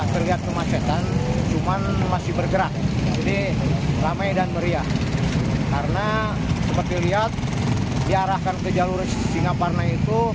kondisi penyelidikan di jawa barat